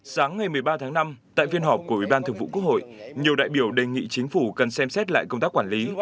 sáng ngày một mươi ba tháng năm tại phiên họp của ủy ban thường vụ quốc hội nhiều đại biểu đề nghị chính phủ cần xem xét lại công tác quản lý